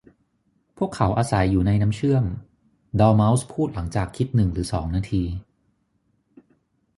'พวกเขาอาศัยอยู่ในน้ำเชื่อม' ดอร์เม้าส์พูดหลังจากคิดหนึ่งหรือสองนาที